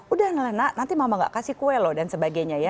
udah nggak nak nanti mama gak kasih kue loh dan sebagainya ya